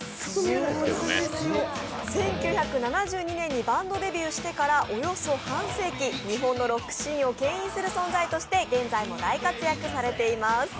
１９７２年にバンドデビューしてからおよそ半世紀、日本のロックシーンをけん引する存在として現在も大活躍されています。